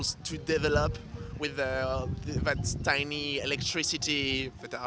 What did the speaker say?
untuk memperkembangkan dengan kekuatan elektrik kecil yang diberikan